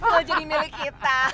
berhasil jadi milik kita